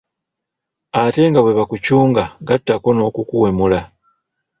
Ate nga bwe bakucunga gattako n'okukuwemula.